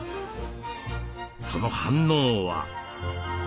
その反応は。